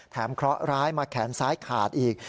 เคราะหร้ายมาแขนซ้ายขาดอีก